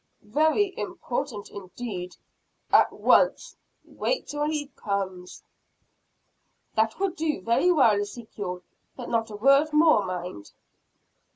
Very important indeed. At once. Wait till he comes." "That will do very well, Ezekiel. But not a word more, mind!"